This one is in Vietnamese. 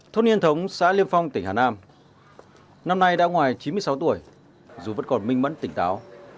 thôn niên thống xã liêm phong tỉnh hà nam năm nay đã ngoài chín mươi sáu tuổi dù vẫn còn minh mẫn tỉnh táo